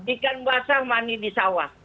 ikan basah mani di sawah